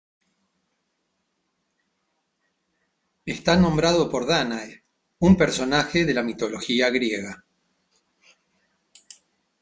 Está nombrado por Dánae, un personaje de la mitología griega.